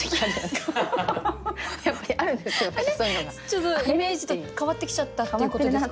ちょっとイメージと変わってきちゃったっていうことですか？